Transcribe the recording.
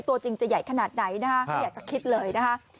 ตัวจริงจะใหญ่ขนาดไหนนะฮะไม่อยากจะคิดเลยนะคะ